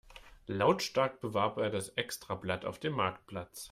Lautstark bewarb er das Extrablatt auf dem Marktplatz.